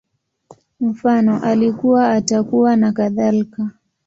Mfano, Alikuwa, Atakuwa, nakadhalika